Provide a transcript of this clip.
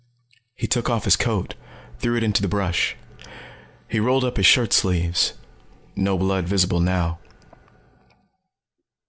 He took off his coat, threw it into the brush. He rolled up his shirt sleeves. No blood visible now.